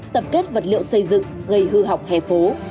tập kết vật liệu xây dựng gây hư hỏng hẻ phố